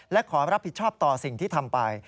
และขอรับผิดชอบต่อสิ่งที่ทำไป